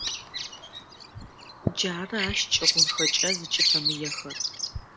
Джары ащ кӏыгъунхэкӏэ зыкӏыфэмыехэр.